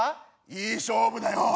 いい勝負だよ。